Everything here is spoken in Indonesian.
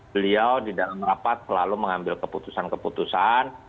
beliau di dalam rapat selalu mengambil keputusan keputusan